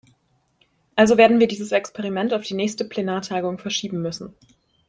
Also wir werden dieses Experiment auf die nächste Plenartagung verschieben müssen.